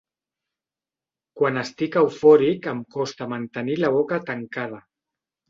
Quan estic eufòric em costa mantenir la boca tancada.